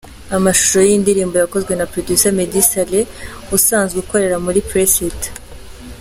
Amashusho y’iyi ndirimbo yakozwe na Producer Meddy Saleh usanzwe ukorera muri Press it.